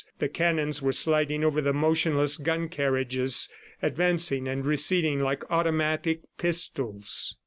The cannon were sliding over the motionless gun carriages, advancing and receding like automatic pistols.